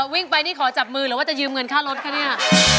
วิ่งไปนี่ขอจับมือหรือว่าจะยืมเงินค่ารถคะเนี่ย